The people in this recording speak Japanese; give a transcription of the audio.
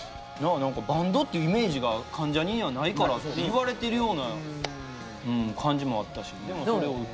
バンドっていうイメージが関ジャニにはないからって言われてるような感じもあったしでもそれを訴えて。